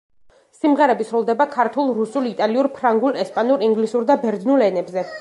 სიმღერები სრულდება: ქართულ, რუსულ, იტალიურ, ფრანგულ, ესპანურ, ინგლისურ და ბერძნულ ენებზე.